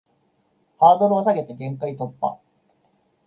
ハードルを下げて限界突破